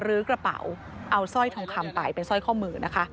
กระเป๋าเอาสร้อยทองคำไปเป็นสร้อยข้อมือนะคะ